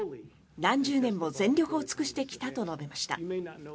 何十年も全力を尽くしてきたと述べました。